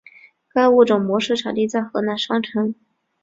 该物种的模式产地在河南商城。